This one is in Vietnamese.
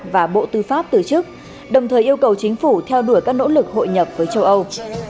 và bộ tư pháp từ chức đồng thời yêu cầu chính phủ theo đuổi các nỗ lực hội nhập với châu âu